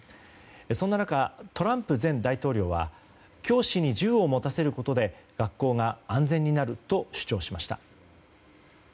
そんな中、トランプ前大統領は教師に銃を持たせることで学校が安全になると主張しました。